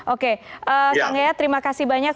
oke kang yayat terima kasih banyak